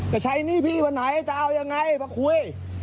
จะใช้หนี้พี่วันไหนจะเอายังไงมาคุย